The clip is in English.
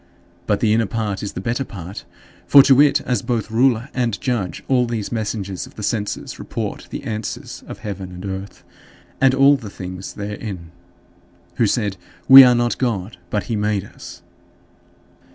But the inner part is the better part; for to it, as both ruler and judge, all these messengers of the senses report the answers of heaven and earth and all the things therein, who said, "We are not God, but he made us."